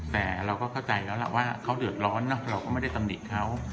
แต่เราก็เข้าใจแล้วล่ะว่าเขาเดือดร้อนเนอะเราก็ไม่ได้ตำหนิเขา